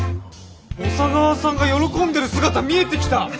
小佐川さんが喜んでる姿見えてきた。